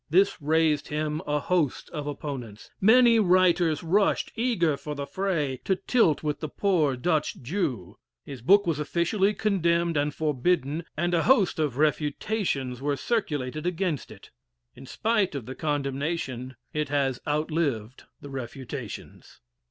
This raised him a host of opponents; many writers rushed eager for the fray, to tilt with the poor Dutch Jew. His book was officially condemned and forbidden, and a host of refutations (?) were circulated against it. In spite of the condemnation it has outlived the refutations.